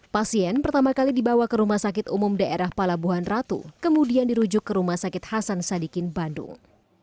pasien pertama kali dibawa ke rumah sakit umum daerah palabuhan ratu kemudian dirujuk ke rumah sakit hasan sadikin bandung